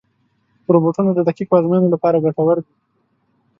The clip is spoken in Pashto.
روبوټونه د دقیقو ازموینو لپاره ګټور دي.